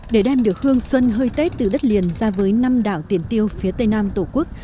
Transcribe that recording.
để đem được hương xuân hơi tết từ đất liền ra với năm đảo tiền tiêu phía tây nam tổ quốc